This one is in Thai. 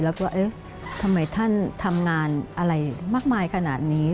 แล้วก็เอ๊ะทำไมท่านทำงานอะไรมากมายขนาดนี้